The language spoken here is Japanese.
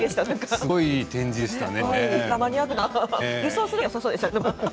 すごい展示でしたね